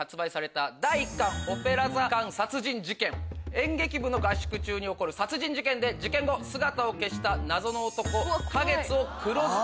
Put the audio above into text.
演劇部の合宿中に起こる殺人事件で事件後姿を消した。